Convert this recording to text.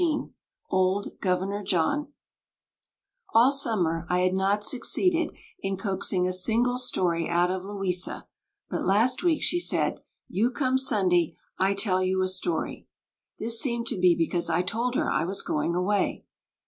OLD GOVERNOR JOHN All summer I had not succeeded in coaxing a single story out of Louisa; but last week she said, "You come Sunday, I tell you a story." This seemed to be because I told her I was going away.